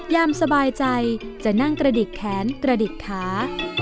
ยามสบายใจจะนั่งกระดิกแขนกระดิกขา